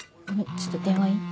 ちょっと電話いい？